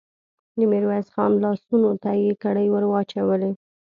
د ميرويس خان لاسونو ته يې کړۍ ور واچولې.